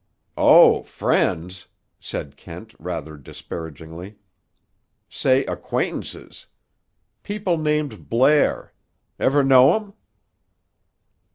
"Oh, friends!" said Kent rather disparagingly. "Say acquaintances. People named Blair. Ever know 'em?"